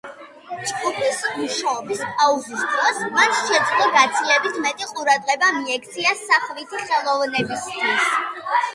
ჯგუფის მუშაობის პაუზის დროს, მან შეძლო გაცილებით მეტი ყურადღება მიექცია სახვითი ხელოვნებისთვის.